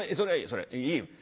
それいいよ。